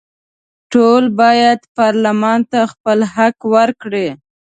ټول باید پارلمان ته خپل حق ورکړي.